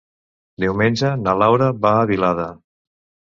Diumenge na Laura va a Vilada.